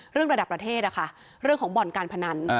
เรื่องระดับประเทศค่ะเรื่องของบ่อนการพนัน